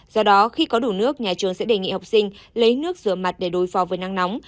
do đó khi có đủ nước nhà trường sẽ đề nghị học sinh lấy nước rửa mặt để đối phó với nắng nóng